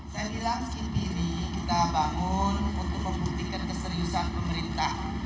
saya bilang sendiri kita bangun untuk membuktikan keseriusan pemerintah